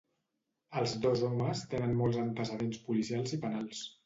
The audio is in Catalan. Els dos homes tenen molts antecedents policials i penals.